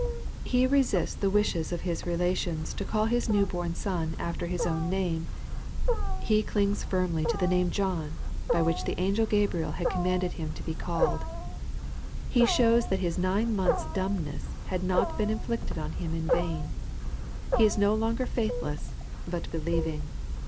He resists the wishes of his relations to call his new bom son after his own name. He clings firmly to the name "John/' by which the angel Gabriel had commanded him to be called. He shows that his nine months' dumbness had not been inflicted on him in vain. He is no longer faithless, but believing.